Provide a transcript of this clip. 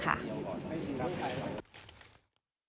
คุณระพินฮะคุณระพินฮะ